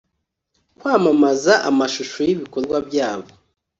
kwamamaza amashusho y’ibikorwa byabo